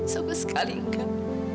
sama sekali kak